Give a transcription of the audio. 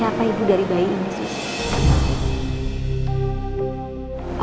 apa ibu dari bayi ini sih